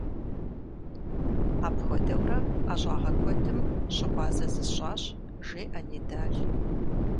- Апхуэдэурэ ӀэщӀагъэ куэдым щыгъуазэ зысщӀащ, - жеӀэ Нидал.